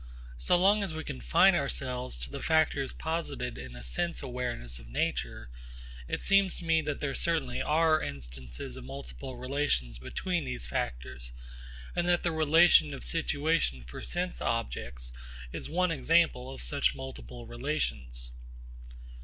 So long as we confine ourselves to the factors posited in the sense awareness of nature, it seems to me that there certainly are instances of multiple relations between these factors, and that the relation of situation for sense objects is one example of such multiple relations.